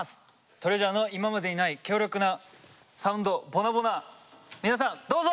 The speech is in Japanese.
ＴＲＥＡＳＵＲＥの今までにない強力なサウンド皆さんどうぞ！